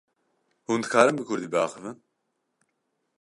Hûn dikarin bi Kurdî biaxivin?